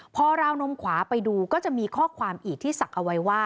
พอราวนมขวาไปดูก็จะมีข้อความอีกที่ศักดิ์เอาไว้ว่า